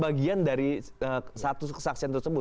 bagian dari satu kesaksian tersebut